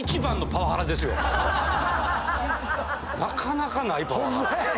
なかなかないパワハラ。